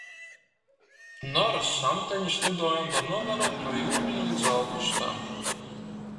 Noras samteņus lidojam var novērot no jūnija līdz augustam.